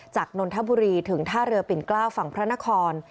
นนทบุรีถึงท่าเรือปิ่นเกล้าวฝั่งพระนคร